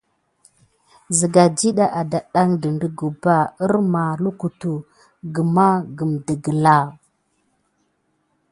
Sigan ɗiɗa ada kidan ɗe gəban kesinki, lukutu nà matua may gumà kum gabak.